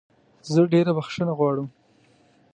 زه ډېره بخښنه غواړم.